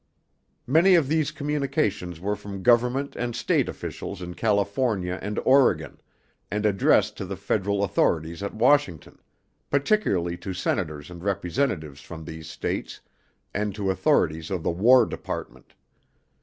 Many of these communications were from government and state officials in California and Oregon, and addressed to the Federal authorities at Washington, particularly to Senators and Representatives from these states and to authorities of the War Department.